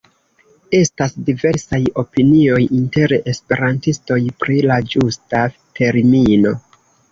Estas diversaj opinioj inter esperantistoj pri la ĝusta termino.